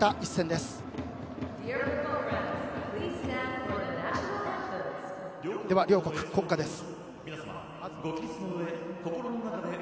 では、両国の国歌です。